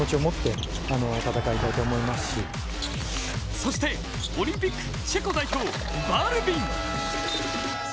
そしてオリンピックチェコ代表バルヴィン。